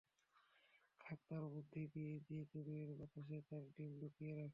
কাক তার বুদ্ধী দিয়ে, সে চড়ুইয়ের বাসাতেই তার ডিম লুকিয়ে রাখে।